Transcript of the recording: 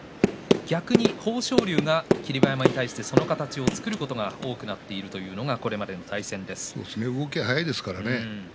逆に豊昇龍が、霧馬山に対してその形を作ることが多くなって動きが速いですからね。